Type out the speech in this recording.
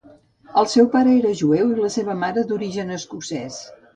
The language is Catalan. El seu pare era jueu i la seva mare era d'origen escocès.